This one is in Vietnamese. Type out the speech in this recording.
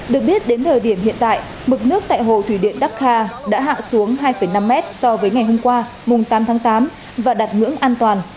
được biết đến thời điểm hiện tại mực nước tại hồ thủy điện dakar đã hạ xuống hai năm m so với ngày hôm qua mùng tám tháng tám và đặt ngưỡng an toàn